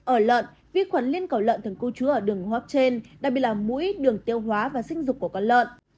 ở lợn vi khuẩn lên cổ lợn thường cưu trứa ở đường hoác trên đặc biệt là mũi đường tiêu hóa và sinh dục của con lợn